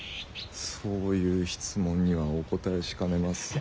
そういう質問にはお答えしかねます。